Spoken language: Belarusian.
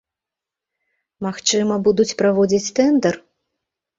Магчыма, будуць праводзіць тэндар?